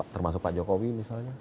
termasuk pak jokowi misalnya